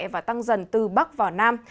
và tăng dần từ bắc vào nam